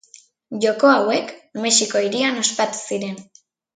Joko hauek, Mexiko Hirian ospatu ziren.